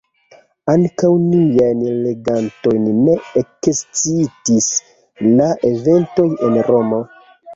Ankaŭ niajn legantojn ne ekscitis la eventoj en Romo.